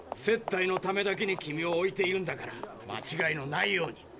接待のためだけに君を置いているんだからまちがいのないように。